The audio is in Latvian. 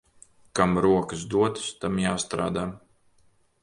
Kam rokas dotas, tam jāstrādā.